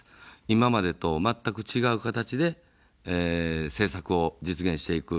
今までと全く違う形で政策を実現していく。